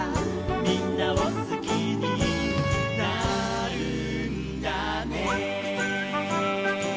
「みんなをすきになるんだね」